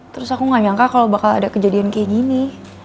terus aku gak nyangka kalau bakal ada kejadian kayak gini